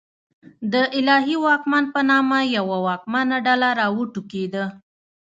د الهي واکمن په نامه یوه واکمنه ډله راوټوکېده.